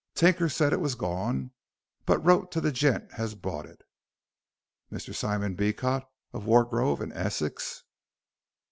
Tinker said it was gone, but wrote to the gent as bought it." "Mr. Simon Beecot, of Wargrove, in Essex."